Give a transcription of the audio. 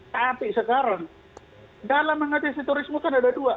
tapi sekarang dalam mengatasi terorisme kan ada dua